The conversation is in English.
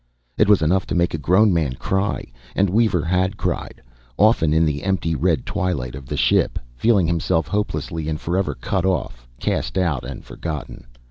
It was enough to make a grown man cry; and Weaver had cried, often, in the empty red twilight of the ship, feeling himself hopelessly and forever cut off, cast out and forgotten.